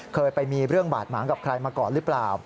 เคยไปมีเรื่องบาดหมางกับใครมาก่อนหรือเปล่า